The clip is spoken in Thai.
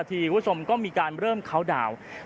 ผู้สมก็มีการเริ่มเค้าท์ดาวน์